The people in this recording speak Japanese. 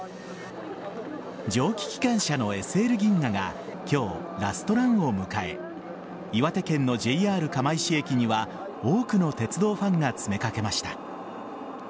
蒸気機関車のＳＬ銀河は今日、ラストランを迎え岩手県のＪＲ釜石駅には多くの鉄道ファンが詰めかけました。